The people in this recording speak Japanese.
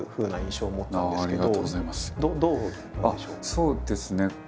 そうですね。